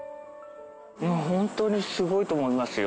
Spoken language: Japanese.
本当にすごいと思いますよ。